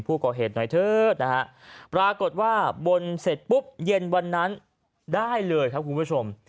ผู้ก่อเหตุหน่อยเถอะนะฮะปรากฏว่าบนเสร็จปุ๊บเย็นวันนั้นได้เลยครับคุณผู้ชม